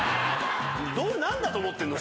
何だと思ってんの？